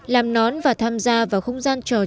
làm nón và tham gia vào không gian trò chơi